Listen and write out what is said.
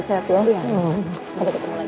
sampai ketemu lagi ya